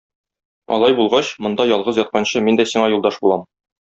Алай булгач, монда ялгыз ятканчы, мин дә сиңа юлдаш булам.